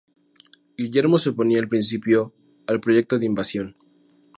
Guillermo se oponía al principio al proyecto de invasión.